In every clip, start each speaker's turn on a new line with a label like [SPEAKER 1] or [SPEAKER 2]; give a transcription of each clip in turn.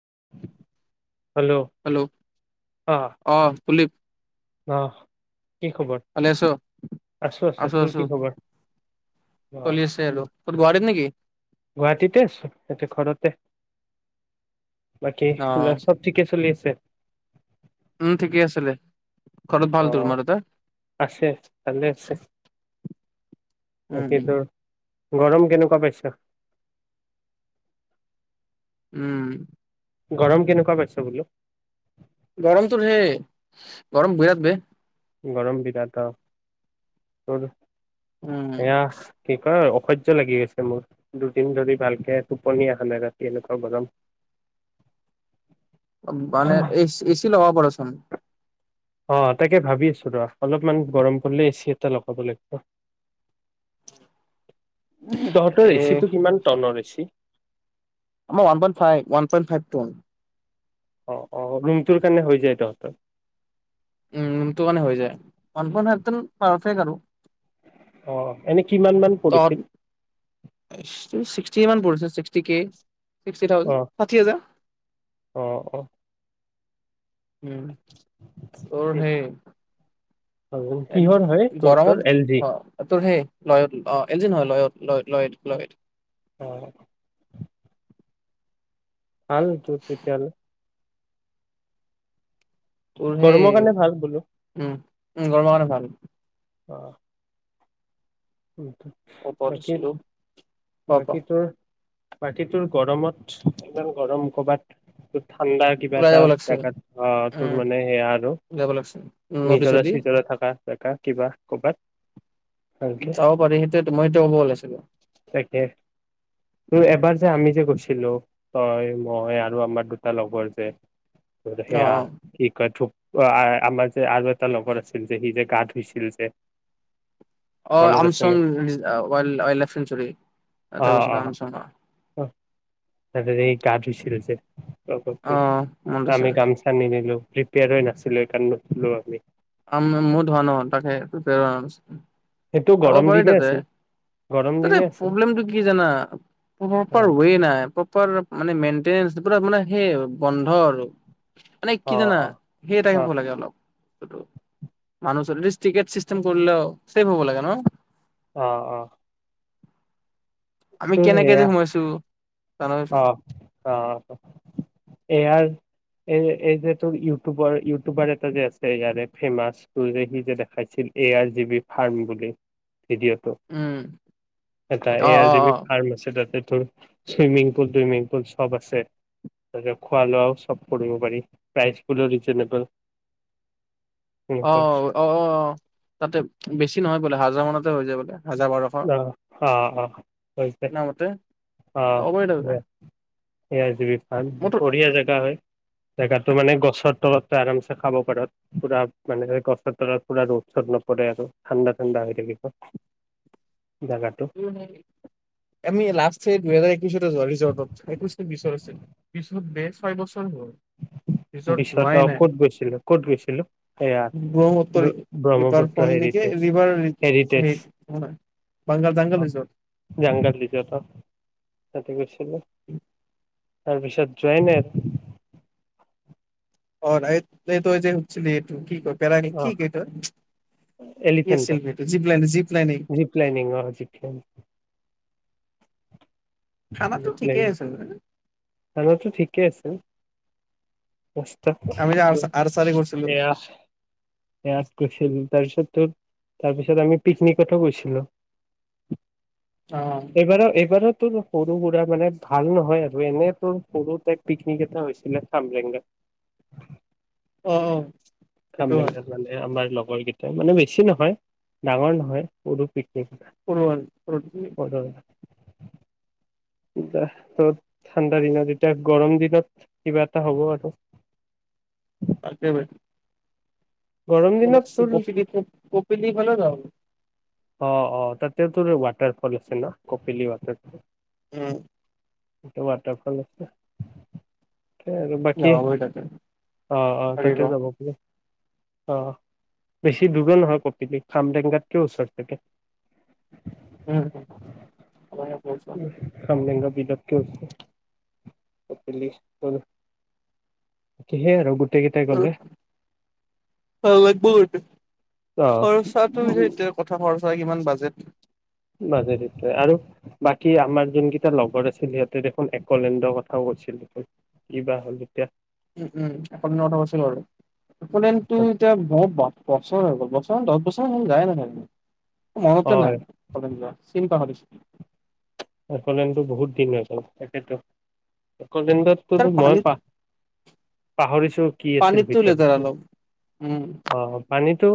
[SPEAKER 1] [inaudible]
[SPEAKER 2] Hello অ কুলদীপ।
[SPEAKER 1] আহ কি খবৰ
[SPEAKER 2] ভালে আছ
[SPEAKER 1] আছো আছো তোৰ কি খবৰ
[SPEAKER 2] চলি আছে
[SPEAKER 1] আহ
[SPEAKER 2] আৰু ক'ত গুৱাহাটীত নেকি
[SPEAKER 1] গুৱাহাটীতে আছো এতিয়া ঘৰতে বাকী
[SPEAKER 2] অ
[SPEAKER 1] এইবিলাক চব ঠিকে চলি আছে
[SPEAKER 2] উম', ঠিকেই আছিলে ঘৰত ভাল তোৰ মা
[SPEAKER 1] অহ',
[SPEAKER 2] দেউতাৰ
[SPEAKER 1] আছে, ভালে আছে।
[SPEAKER 2] উম
[SPEAKER 1] বাকীটো?
[SPEAKER 2] উম
[SPEAKER 1] গৰম কেনেকুৱা পাইছা।
[SPEAKER 2] উম',
[SPEAKER 1] গৰম কেনেকুৱা পাইছ বোলো।
[SPEAKER 2] গৰমটো হেই, গৰম বিৰাট বে।
[SPEAKER 1] গৰম বিৰাত অহ ', আৰু।
[SPEAKER 2] উম
[SPEAKER 1] এয়া কি কয় অসহ্য লাগি গৈছে মোৰ দুদিন ধৰি ভালকে টোপনি অহা নাই ৰাতি এনেকুৱা গৰম।
[SPEAKER 2] মানে এই এ চি লগাব পাৰ চোন।
[SPEAKER 1] অহ ', তাকে ভাবি আছো ৰ অলপমান গৰম পৰিলে এচি এটা লগাব লাগিব। উম ', তহঁতৰ
[SPEAKER 2] এ
[SPEAKER 1] এচি টো কিমান টনৰ এচি।
[SPEAKER 2] আমাৰ one point five -one point five ton.
[SPEAKER 1] অহ ', - অহ', ৰুমটোৰ কাৰণে হৈ যায় তহঁতৰ
[SPEAKER 2] উম', ৰুমটো কাৰণে হৈ যায়, ওৱান পইন্ট ফাইভ পাৰফেক্ট আৰু।
[SPEAKER 1] অহ', এনেই কিমান মান
[SPEAKER 2] তহঁত
[SPEAKER 1] পৰিছিল?
[SPEAKER 2] কিমান পৰিছিল ছিক্সটি কে। ছিক্সটি থাউজেন্ড,
[SPEAKER 1] অ',
[SPEAKER 2] ষাঠি হাজাৰ।
[SPEAKER 1] অ', অ',
[SPEAKER 2] উম', ত
[SPEAKER 1] এইট
[SPEAKER 2] সেই।
[SPEAKER 1] থাউজেণ্ড
[SPEAKER 2] এহ
[SPEAKER 1] কিহৰ হয়
[SPEAKER 2] ',
[SPEAKER 1] তোৰটোৰ
[SPEAKER 2] গৰমত
[SPEAKER 1] এল জি?
[SPEAKER 2] অহ ', তোৰ সেই লয়ত, অহ ', এল জি নহয় লয়ত। [unintelligible] লয়ত ল লয়ত
[SPEAKER 1] অহ ', ভাল তোৰ তেতিয়াহলে।
[SPEAKER 2] তোৰ সেই
[SPEAKER 1] গৰমৰ কাৰণে ভাল বোলো
[SPEAKER 2] উম', - উম ', গৰমৰ ভাল।
[SPEAKER 1] অহ ', উম ',
[SPEAKER 2] ওপৰত
[SPEAKER 1] বাকী
[SPEAKER 2] আছিলো ক
[SPEAKER 1] -
[SPEAKER 2] ক
[SPEAKER 1] বাকী তোৰ। বাকী তোৰ গৰমত কিমান গৰম কৰবাত। ঠাণ্ডা কিবা
[SPEAKER 2] ওলাই
[SPEAKER 1] এটা
[SPEAKER 2] যাব লাগিছিল
[SPEAKER 1] জেগাত অহ ', তোৰ
[SPEAKER 2] উম
[SPEAKER 1] মানে সেয়া আৰু
[SPEAKER 2] যাব লাগিছিল নদী
[SPEAKER 1] নিজৰা
[SPEAKER 2] চদী
[SPEAKER 1] চিজৰা থকা জেগা কিবা কৰ'বাত। ঔকে
[SPEAKER 2] যাব পাৰি সেইটোৱে মই সেয়া ক'ব ওলাইছিলো।
[SPEAKER 1] ত', এবাৰ যে আমি যে গৈছিলো তই মই আৰু আমাৰ দুটা লগৰ যে।
[SPEAKER 2] অ
[SPEAKER 1] সেয়া
[SPEAKER 2] অ
[SPEAKER 1] কি কয় থুপ। আমাৰ যে আৰু এটা লগৰ আছিল যে সি যে গা ধুইছিল যে।
[SPEAKER 2] অ
[SPEAKER 1] মনত
[SPEAKER 2] আমচ
[SPEAKER 1] আছে নে
[SPEAKER 2] ইচ দ্যা ৱাল্ড লাইফ চেনচুৰী
[SPEAKER 1] অ
[SPEAKER 2] তাতে গৈছো
[SPEAKER 1] অ
[SPEAKER 2] ৰাম চহৰ
[SPEAKER 1] ছে
[SPEAKER 2] মনত আছে
[SPEAKER 1] আমি গামোছা নিনিলো প্ৰিপেয়াৰ হৈ নাছিলোঁ সেইকাৰণে নিনিছিলোঁ আমি
[SPEAKER 2] তাৰমানে মইয়ো ধোৱা ন তাকে প্ৰিপেয়াৰ হোৱা নাছিলো
[SPEAKER 1] সেইটো গৰম
[SPEAKER 2] চাব পাৰি
[SPEAKER 1] দিনে
[SPEAKER 2] তাতে
[SPEAKER 1] আছিল গৰম
[SPEAKER 2] অ তাতে
[SPEAKER 1] দিনে আছিল
[SPEAKER 2] প্ৰব্লেমটো কি জানা
[SPEAKER 1] অ
[SPEAKER 2] প্ৰপাৰ একোৱে নাই প্ৰপাৰ মানে মেই তেতিয়া পোৰা মানে সেই বন্ধ আৰু মানে
[SPEAKER 1] অ
[SPEAKER 2] কি জানা
[SPEAKER 1] অ
[SPEAKER 2] সেই
[SPEAKER 1] অ
[SPEAKER 2] টাইপৰ লাগে অলপ মানু টিকট চিষ্টেম কৰিলেও চেইফ হব লাগে ন
[SPEAKER 1] আহ আহ
[SPEAKER 2] আমি কেনেকে যে সোমাইছো জানচোন
[SPEAKER 1] আহ আহ এয়াৰ এই এই যে তোৰ ইউটিউবৰ ইউটিউবাৰ এটা যে আছে ইয়াৰে ফেমাচ যে সি যে দেখাইছিল A R G B farm বুলি ভিডিঅ'টো
[SPEAKER 2] উম
[SPEAKER 1] এটা
[SPEAKER 2] অ
[SPEAKER 1] A R
[SPEAKER 2] O
[SPEAKER 1] G B farm আছে তাতে চোইমিং পুল চুইমিং পুল চব আছে তাৰপিছত খোৱা লোৱাও চব কৰিব পাৰি প্ৰাইচবুলো ৰিজেনেবল
[SPEAKER 2] অ অ অ তাতে বেছি নহয় বোলে হাজাৰ মানত হৈ যাব
[SPEAKER 1] অ অ আছে
[SPEAKER 2] শুনা মতে
[SPEAKER 1] অ
[SPEAKER 2] অবৈধ
[SPEAKER 1] ঠিক সেয়া আজিব
[SPEAKER 2] মোৰতো
[SPEAKER 1] বঢ়িয়া জাগা হয় জেগাটো মানে গছৰ তলত আৰামছে খাব পাৰ পুৰা মানে গছৰ তলত পুৰা ৰ'দ চ'দ নপৰে আৰু ঠাণ্ডা ঠাণ্ডা হৈ থাকিব জেগাটো
[SPEAKER 2] আমি লাষ্ট দুহেজাৰ একৈশ [unintelligible] ৰিজৰ্টত সেইটো চিত বিচাৰিছিলো পিছত বে ছয়বছৰ ৰিজৰ্ট
[SPEAKER 1] পিছত
[SPEAKER 2] যোৱাই
[SPEAKER 1] অ
[SPEAKER 2] নাই
[SPEAKER 1] ক'ত গৈছিলো ক'ত গৈছিলো এয়া
[SPEAKER 2] ব্ৰহ্মপুত্ৰৰ
[SPEAKER 1] ব্ৰ
[SPEAKER 2] ৰিভাৰ
[SPEAKER 1] ব্ৰহ্মপুত্ৰ
[SPEAKER 2] ফ্ৰণ্ট নেকি
[SPEAKER 1] হেৰিটেজ
[SPEAKER 2] ৰিভাৰ
[SPEAKER 1] হেৰিটেজ
[SPEAKER 2] হেৰী নহয়
[SPEAKER 1] অ জংগত ৰিজৰ্টত গৈছিলোঁ
[SPEAKER 2] উ
[SPEAKER 1] তাৰপিছত যোৱাইনাই
[SPEAKER 2] অ এইটো যে হুধছিলি এইটো কি ক
[SPEAKER 1] অ
[SPEAKER 2] আছিল
[SPEAKER 1] এলিফেণ্টত
[SPEAKER 2] জীপ লাই জিপ লাইনিনং
[SPEAKER 1] জীপ লাইনিং অ জীপ লাইনিং
[SPEAKER 2] খানাটো ঠিকেই আছে ব
[SPEAKER 1] খানাতো ঠিকে আছে
[SPEAKER 2] আমি যে আৰ্চাৰি
[SPEAKER 1] [unintelligible]
[SPEAKER 2] কৰিছিলো
[SPEAKER 1] এয়া [unintelligible] গৈছিল, তাৰপিছত তোৰ তাৰপিছত আমি পিকনিকতো গৈছিলোঁ।
[SPEAKER 2] অ
[SPEAKER 1] এইবাৰ-এইবাৰত তোৰ সৰু-সুৰা মানে ভাল নহয় আৰু এনে তোৰ সৰু তাইপ পিকনিক এটা হৈছিলে খামলেঙাত।
[SPEAKER 2] অহ।
[SPEAKER 1] খাম্বেঙাত মানে আমাৰ লগ গৰ কেইটা মানে বেছি নহয়, ডাঙৰ নহয়, সৰু। পিকনিক
[SPEAKER 2] [unintelligible]
[SPEAKER 1] [unintelligible] ঠাণ্ডা দিনত এতিয়া গৰম দিনত কিবা এটা হ'ব আৰু।
[SPEAKER 2] তাকে।
[SPEAKER 1] গৰম দিনত
[SPEAKER 2] [unintelligible]
[SPEAKER 1] তোৰ
[SPEAKER 2] কপ-কপিলী ফালে যাব পাৰোঁ।
[SPEAKER 1] অহ, অহ। তাতেও তোৰ ৱাটাৰফল আছে ন? কপিলী ৱাটাৰফল।
[SPEAKER 2] উম।
[SPEAKER 1] এটা ৱাটাৰফল আছে। তাকে আৰু বাকী,
[SPEAKER 2] যাব পাৰি তাতে
[SPEAKER 1] অহ, অহ,
[SPEAKER 2] তাকে ক
[SPEAKER 1] তাতে যাব পাৰি। অহ। বেছি দূৰো নহয় কপিলী। খামটেঙগাতকেও ওচৰত। তাকে।
[SPEAKER 2] উম। [unintelligible]
[SPEAKER 1] খামৰেংগা বিলতকে উচৰ কপিলী। [unintelligible]
[SPEAKER 2] অ', লাগভ
[SPEAKER 1] অ
[SPEAKER 2] খৰচাটো এতিয়া কথা ক' হয় কিমান বাজেট?
[SPEAKER 1] মাজেদিট আৰু বাকী আমাৰ যোন কেইটা লগৰ আছিল সিহঁতে দেখোন একলেণ্ডৰ কথাও কৈছিল কিবা হ'ল এতিয়া।
[SPEAKER 2] উম, উম, এখন নটা বছৰ হ'ল। এক'লেণ্ডটো এতিয়া বহুত ভক পক বছৰ হৈ গ'ল, দছ বছৰ হ'ল যায়ে নাপালোঁ।
[SPEAKER 1] অ
[SPEAKER 2] মনতে নাই এক'লেণ্ড যোৱা চিন পাহৰিছোঁ।
[SPEAKER 1] এক'লেণ্ডটো বহুত দিন আছিল তাকেতো। এক'লেণ্ডতো
[SPEAKER 2] তাৰ
[SPEAKER 1] মই প
[SPEAKER 2] পানীত
[SPEAKER 1] পাহৰিছোঁ কি আছিল
[SPEAKER 2] পানীতো
[SPEAKER 1] ভিতৰত
[SPEAKER 2] লেতেৰা অলপ উম
[SPEAKER 1] আহ পানীতটো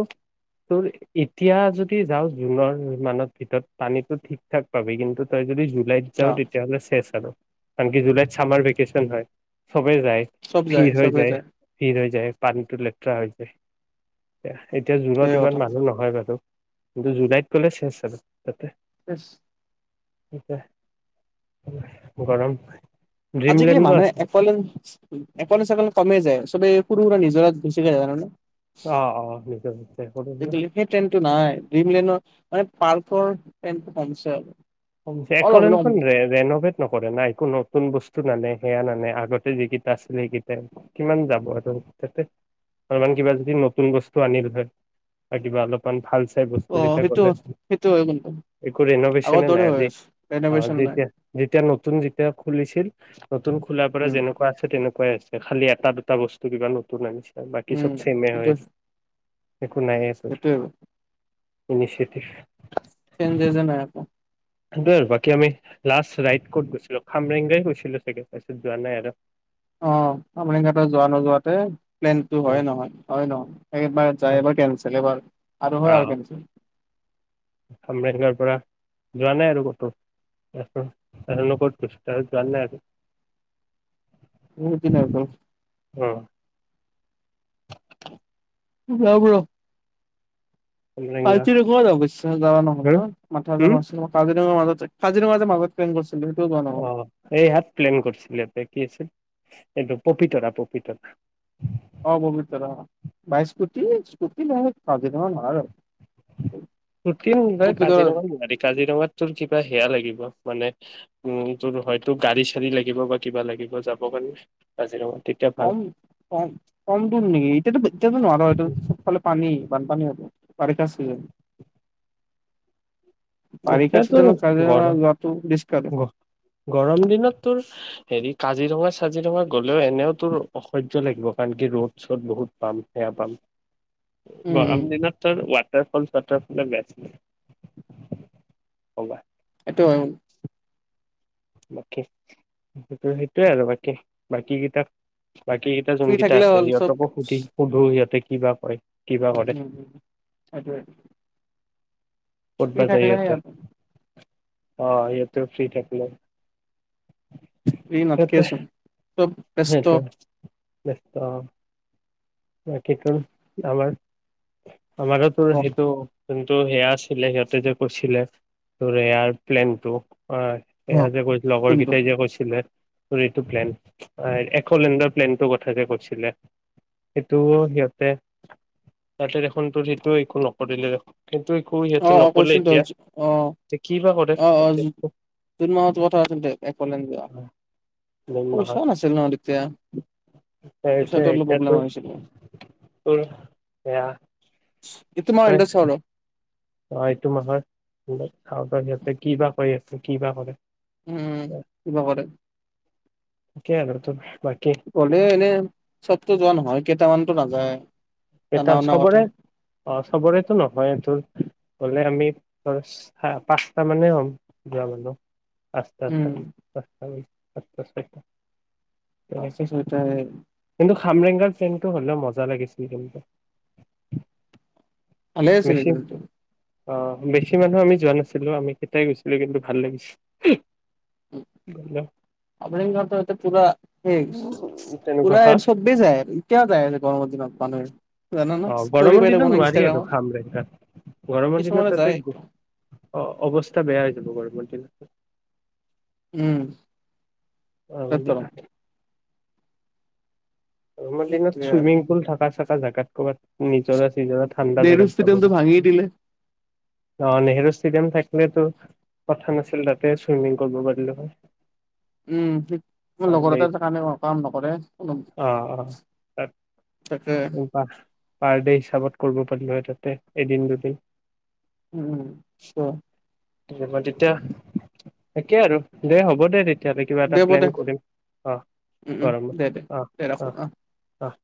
[SPEAKER 1] তোৰ এতিয়া যদি যাওঁ জুনৰ মানৰ ভিতৰত পানীটো ঠিক থাক পাবি কিন্তু তাই যদি য ৰাইড যাওঁ
[SPEAKER 2] অ
[SPEAKER 1] তেতিয়াহ'লে শেষ আৰু কানকি জুলাইত চামাৰ ভেকেশ্যন হয়। চবেই যায়, ভিৰ হৈ যায়, ভিৰ হৈ যায়। পানীটো লেতেৰা হৈ যায়। এয়া এতিয়া জুনত
[SPEAKER 2] সেই
[SPEAKER 1] ইমান
[SPEAKER 2] কথা
[SPEAKER 1] মানুহ নহয় বাৰু কিন্তু জুলাইত ক'লে শেষ আৰু তাতে
[SPEAKER 2] বছ
[SPEAKER 1] এ গৰম
[SPEAKER 2] আজিকালি
[SPEAKER 1] ড্ৰিমলেণ্ডো
[SPEAKER 2] মানুহে
[SPEAKER 1] আছে
[SPEAKER 2] এক'লেণ্ড চেকলেণ্ড কমেই যায় চবে সৰু সুৰা নিজৰা গুচি যায়
[SPEAKER 1] অ', অ', নিজৰ
[SPEAKER 2] সেই ট্ৰেইনটো নাই ড্ৰিম লেনৰ মানে পাৰ্কৰ টেমটো কমিছে অলপ
[SPEAKER 1] এক'লেণ্ড
[SPEAKER 2] হ'লেও
[SPEAKER 1] খন
[SPEAKER 2] কমিছে
[SPEAKER 1] ৰেনভেত ন নাই একো নতুন বস্তু নানে আগতে যি কিটা আছিলে সেই কিটা কিমান যাব আৰু অলপমান কিবা যদি নতুন বস্তু আনিল হয় কিবা অলপ ভাল ছাৰবস্তু
[SPEAKER 2] অ
[SPEAKER 1] যে
[SPEAKER 2] সেইটো
[SPEAKER 1] গ'লে
[SPEAKER 2] সেইটো হয় কিন্তু
[SPEAKER 1] একো
[SPEAKER 2] আগৰ
[SPEAKER 1] ৰেনগেশনে
[SPEAKER 2] দৰে
[SPEAKER 1] নাই
[SPEAKER 2] হৈ আছে
[SPEAKER 1] অ
[SPEAKER 2] ৰেন'ভেচন নাই
[SPEAKER 1] যেতিয়া যেতিয়া নতুন যেতিয়া খুলিছিল নতুন খোলাৰ পৰা
[SPEAKER 2] উম
[SPEAKER 1] যেনেকুৱা আছে তেনেকুৱাই আছিল খালি এটা দুটা বস্তু কিবা নতুন আনিছে বাকী চব
[SPEAKER 2] উম
[SPEAKER 1] ছেমে হৈ
[SPEAKER 2] সেইটো
[SPEAKER 1] আছে একো নাই, আছে।
[SPEAKER 2] সেইটোৱে
[SPEAKER 1] ইনিচিয়েটিভ।
[SPEAKER 2] [unintelligible]
[SPEAKER 1] সেইটোৱে আৰু বাকী আমি লাষ্ট ৰাইড ক'ত গৈছিলো? খামৰেংগই গৈছিলো চাগে, তাৰপাছত যোৱা নাই আৰু।
[SPEAKER 2] অ আমৰিং ঘাটত যোৱা নোযোৱাতে প্লেনটো হয় নহয়? হয় নহয়। এইবাৰ যায়,
[SPEAKER 1] অ
[SPEAKER 2] এইবাৰ কেনচেল এবাৰ। আৰু হয় আৰু কেনচেল।
[SPEAKER 1] আমেদগৰ পাৰা যোৱা নাই আৰু ক'তো যোৱা নাই আৰু।
[SPEAKER 2] বহুত দিন হৈ গল।
[SPEAKER 1] অ
[SPEAKER 2] যাম ৰ'।
[SPEAKER 1] খামৰেংগা
[SPEAKER 2] [unintelligible] কাজিৰঙাৰ মাজতে
[SPEAKER 1] হা
[SPEAKER 2] কাজিৰঙা
[SPEAKER 1] হম
[SPEAKER 2] যে মাজত ট্ৰেইন গৈছে।
[SPEAKER 1] অ' এই হাত প্লেন কৰিছিলে, [unintelligible] এইটো পপিতৰা, পপিতৰা।
[SPEAKER 2] অ' পবিতৰা অ', বাইক-স্কুটি, স্কুটি নহলে কাজিৰঙাত নোৱাৰ।
[SPEAKER 1] এতিয়া কাজিৰঙা নোৱাৰি কাজিৰঙাত তোৰ কিবা সেয়া লাগিব মানে উম তোৰ হয়তো গাড়ী চাৰী লাগিব বা কিবা লাগিব যাব কাৰণে কাজিৰঙাত
[SPEAKER 2] কম কম কম দূৰ নেকি ইতি য ন আৰু এটো চবফালে পানী বানপানী হ পাৰ ক আছ বাৰি চিজনত কাজিৰঙা যোৱা বেছ
[SPEAKER 1] গ গৰম দিনত তোৰ হেৰি কাজিৰঙা কাজিৰঙা গ'লেও এনেও তোৰ অসহ্য লাগিব কাৰণ কি ৰ'ড চ'দ বহুত পাম সেয়া পাম
[SPEAKER 2] উম উম
[SPEAKER 1] গৰম দিনত তাট ফলাফলৰ গ
[SPEAKER 2] [unintelligible]
[SPEAKER 1] সেইটোৱে আৰু বাকে বাকী কেইটা বাকী কেইটা
[SPEAKER 2] ফ্ৰী
[SPEAKER 1] যোন কেইটা
[SPEAKER 2] থাকিলে হ'ল
[SPEAKER 1] আছে
[SPEAKER 2] চব
[SPEAKER 1] সিহঁতকো সুধি সুধো সিহঁতে কিবা কয় কিবা
[SPEAKER 2] উম
[SPEAKER 1] কৰে
[SPEAKER 2] উম সেইটোৱেই
[SPEAKER 1] কত গৈ আছে অঁ এইটো ফ্ৰী থাকিলে
[SPEAKER 2] ফ্ৰী
[SPEAKER 1] সিহঁতে
[SPEAKER 2] নাথাকেই চোন ব্যস্ত
[SPEAKER 1] বছ কি কৰা আমাৰ আমাৰ তোৰ সেইটোও যোনটো সেয়া আছিলে সিহঁতে যে কৈছিলে তোৰ সেয়াৰ প্লেনটো হয়
[SPEAKER 2] অ
[SPEAKER 1] সেয়া যে কৈছিল লগৰ
[SPEAKER 2] কোনটো
[SPEAKER 1] কেইটাই যে কৈছিলে তোৰ এইটো প্লেন এশলেণ্ডাৰ প্লেনটোৰ কথাকে কৈছিলে সেইটোও সিহঁতে তাতে দেখোন তো সেইটো একো নকৰিলে দেখোন কিন্তু একো সিহঁতে
[SPEAKER 2] অঁ অঁ
[SPEAKER 1] নকলে
[SPEAKER 2] কৈছিল দে
[SPEAKER 1] এতিয়া
[SPEAKER 2] অঁ
[SPEAKER 1] এতিয়া কি বা কৰে
[SPEAKER 2] অঁ অঁ
[SPEAKER 1] সিহঁতে।
[SPEAKER 2] জুন মাহতো কথা আছিল দে অকলেণ্ডযোৱা
[SPEAKER 1] মেইন
[SPEAKER 2] পইচা
[SPEAKER 1] মাহত
[SPEAKER 2] নাছিল ন তেতিয়া
[SPEAKER 1] এতিয়া
[SPEAKER 2] পইচাটো অলপ প্ৰব্লেম
[SPEAKER 1] এতিয়াতো
[SPEAKER 2] হৈছিল
[SPEAKER 1] সেয়া
[SPEAKER 2] এই তো এণ্ড্ৰইড
[SPEAKER 1] অঁ এইটো মাহত সিহঁতে কি বা কৰি আছে কি বা কৰে
[SPEAKER 2] উম কিবা কৰোতে
[SPEAKER 1] কি
[SPEAKER 2] কৰে এনেই চবতো যোৱা নহয় কেইটামানতো নাযায়
[SPEAKER 1] এটা
[SPEAKER 2] জানা শুনা
[SPEAKER 1] চবৰে
[SPEAKER 2] কথা
[SPEAKER 1] অঁ চবৰেতো নহয় তোৰ গলে আমি পাঁচটা মানেই হ'ম যোৱা মানহ
[SPEAKER 2] উম,
[SPEAKER 1] পাঁচটা মানু্হ পাঁচটা আ ', আ্চ
[SPEAKER 2] আছে ছটাই
[SPEAKER 1] খামৰেংগাৰ ফ্ৰেমতটো হলে মজা লাগিছিল। [inaudible]
[SPEAKER 2] ভালে আছিলে কিন্তু তোৰ
[SPEAKER 1] অহ', বেছি মানুহ আমি যোৱা নাছিলো আমি কেইটাই গৈছিলো কিন্তু ভাল লাগিছে।
[SPEAKER 2] উম ', আপ পোৰা সেই
[SPEAKER 1] তেনেকুৱা
[SPEAKER 2] পোৰা
[SPEAKER 1] হা
[SPEAKER 2] ছবে জাই এতিয়াও জাই গৰমৰ দিনত মানুহে। জানা ন
[SPEAKER 1] অহ',
[SPEAKER 2] ষ্টৰি
[SPEAKER 1] গৰমৰ
[SPEAKER 2] পাই থাকো
[SPEAKER 1] দিনত
[SPEAKER 2] ন
[SPEAKER 1] নোৱাৰি আৰু
[SPEAKER 2] ইনষ্টাগ্ৰামত
[SPEAKER 1] খামৰঙা, গৰমৰ দিনত
[SPEAKER 2] কিছুমানে যায়
[SPEAKER 1] তাতে অহ', অৱস্থা বেয়া হৈ যাব গৰমত [inaudible]
[SPEAKER 2] উম',
[SPEAKER 1] অহ
[SPEAKER 2] তাত
[SPEAKER 1] ', দি
[SPEAKER 2] তৰম
[SPEAKER 1] ভাত আমাৰ দিনত চুইমিং পুল থাকা। জাগাত ক'ৰবাত নিজৰ। ন ঠাণ্ডা
[SPEAKER 2] নেহৰু
[SPEAKER 1] জাগাত যাব
[SPEAKER 2] ষ্টেডিয়ামটো ভাঙি
[SPEAKER 1] লাগছিল
[SPEAKER 2] দিলে
[SPEAKER 1] বা নেহৰু ষ্টেডিয়াম ত সেটো পথাৰ আছিল তাতে চুইমিং কৰিব যাব লাগে।
[SPEAKER 2] উম ', তোমাৰ লগৰ এটা যে কাম কাৰণে কাম নকৰে
[SPEAKER 1] অহ -
[SPEAKER 2] তাকে
[SPEAKER 1] অহ পাৰ ডে' হিচাপত কৰিব পাৰিলে হয় তাতে এদিন দুদিন
[SPEAKER 2] উম', ক
[SPEAKER 1] মই তেতিয়া তাকে আৰু দে হ'ব দে তেয়া তেতিয়াহ'লে কিবা
[SPEAKER 2] দে
[SPEAKER 1] এটা
[SPEAKER 2] হ'ব দে
[SPEAKER 1] প্লেন কৰিম অহ
[SPEAKER 2] উম
[SPEAKER 1] ',
[SPEAKER 2] উম দে দে
[SPEAKER 1] গৰমত।
[SPEAKER 2] দে ৰাখো অহ ',
[SPEAKER 1] অহ',